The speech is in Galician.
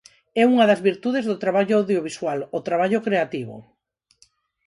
É unha das virtudes do traballo audiovisual, o traballo creativo.